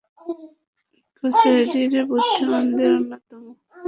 কুরাইশের বুদ্ধিমানদের অন্যতম।